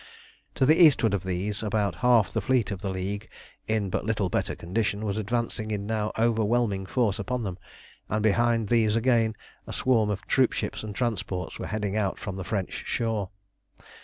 To the eastward of these about half the fleet of the League, in but little better condition, was advancing in now overwhelming force upon them, and behind these again a swarm of troopships and transports were heading out from the French shore.